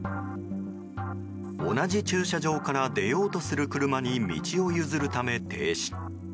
同じ駐車場から出ようとする車に道を譲るため、停止。